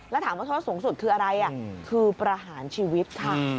แล้วถามว่าโทษสูงสุดคืออะไรคือประหารชีวิตค่ะ